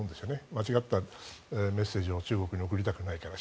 間違ったメッセージを中国に送りたくないから。